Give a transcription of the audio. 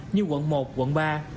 như quận một quận ba